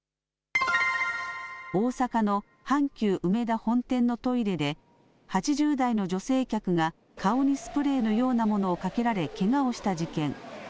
大阪の阪急うめだ本店のトイレで８０代の女性客が顔にスプレーのようなものをかけられ、けがをした事件。